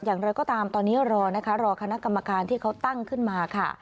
อย่างไรก็ตามตอนนี้รอนะคะรอคณะกรรมการที่เขาตั้งขึ้นมาค่ะ